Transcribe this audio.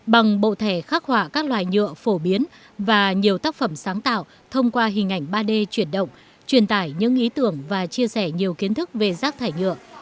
bằng bộ thẻ khắc họa các loài nhựa phổ biến và nhiều tác phẩm sáng tạo thông qua hình ảnh ba d chuyển động truyền tải những ý tưởng và chia sẻ nhiều kiến thức về rác thải nhựa